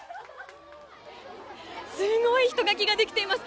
すごい人垣ができています。